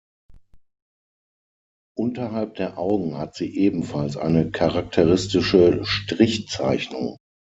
Unterhalb der Augen hat sie ebenfalls eine charakteristische Strichzeichnung.